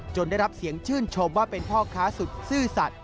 ได้รับเสียงชื่นชมว่าเป็นพ่อค้าสุดซื่อสัตว